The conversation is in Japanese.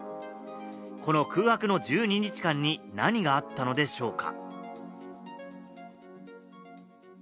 この空白の１２日間に何があったのでしょうか？